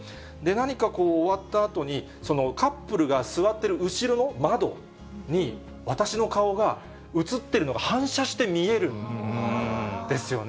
何か終わったあとに、そのカップルが座ってる後ろの窓に、私の顔が映ってるのが反射して見えるんですよね。